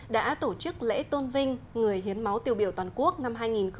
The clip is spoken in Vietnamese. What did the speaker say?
đã tổ chức lễ tôn vinh người hiến máu tiêu biểu toàn quốc năm hai nghìn một mươi chín